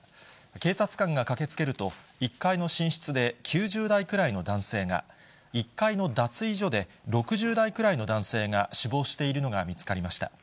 警察官が駆けつけると、１階の寝室で９０代くらいの男性が、１階の脱衣所で６０代くらいの男性が死亡しているのが見つかりました。